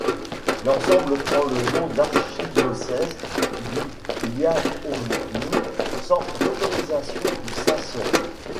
L'ensemble prend le nom d'archidiocèse du Liaoning, sans autorisation du Saint-Siège.